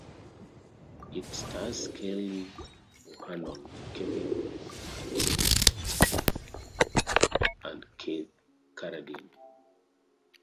It stars Kelley Bohanon, Kevin Hearst, Dale Hopkins, and Keith Carradine.